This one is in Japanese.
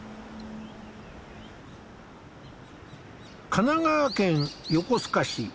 神奈川県横須賀市。